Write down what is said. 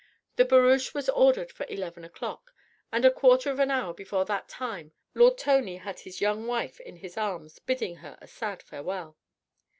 The barouche was ordered for eleven o'clock, and a quarter of an hour before that time Lord Tony had his young wife in his arms, bidding her a sad farewell.